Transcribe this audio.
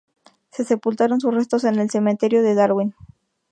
Se sepultaron sus restos en el Cementerio de Darwin.